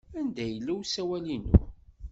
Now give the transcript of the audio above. Anda yella usawal-inu?